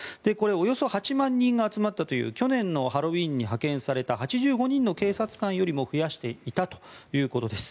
およそ８万人が集まったという去年のハロウィーンに派遣された８５人の警察官よりも増やしていたということです。